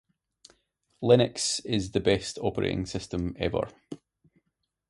Linux is the best operating system ever